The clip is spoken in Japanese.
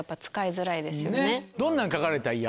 どんなん書かれたら嫌？